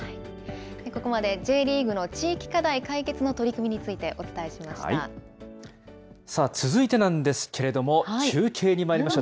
ここまでＪリーグの地域課題解決の取り組みについて、お伝え続いてなんですけれども、中継にまいりましょう。